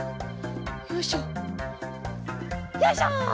よいしょよいしょ！